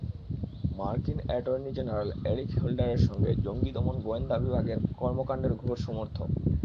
মার্কিন attorney general Eric Holder জঙ্গি দমনে গোয়েন্দা বিভাগের কর্মকাণ্ডের ঘোর সমর্থক।